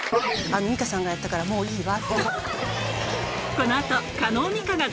「美香さんがやったからもういいわ」。